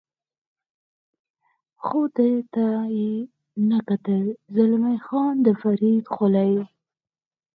خو ده ته یې نه کتل، زلمی خان د فرید خولۍ.